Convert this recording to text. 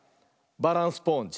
「バランスポーンジ」。